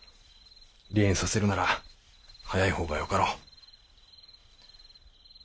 離縁させるなら早いほうがよかろう。